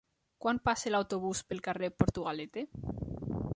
Quan passa l'autobús pel carrer Portugalete?